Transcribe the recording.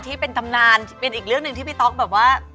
ที่เป็นตำนานเป็นอีกเรื่องหนึ่งที่พี่ต๊อกแบบว่า